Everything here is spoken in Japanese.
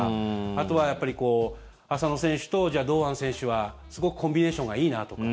あとはやっぱり浅野選手と堂安選手はすごくコンビネーションがいいなとか。